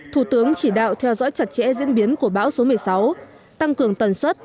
thủ tướng chỉ đạo theo dõi chặt chẽ diễn biến của bão số một mươi sáu tăng cường tần suất